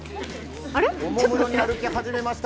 おもむろに歩き始めました。